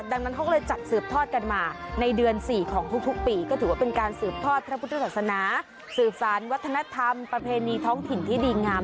ดังนั้นเขาก็เลยจัดสืบทอดกันมาในเดือน๔ของทุกปีก็ถือว่าเป็นการสืบทอดพระพุทธศาสนาสืบสารวัฒนธรรมประเพณีท้องถิ่นที่ดีงาม